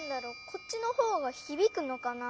こっちの方がひびくのかな？